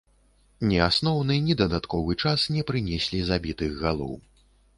Ні асноўны, ні дадатковы час не прынеслі забітых галоў.